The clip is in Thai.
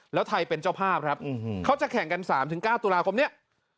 แล้วไทยเป็นเจ้าภาพครับอือฮือเขาจะแข่งกันสามถึงก้าวตุลาคมเนี้ย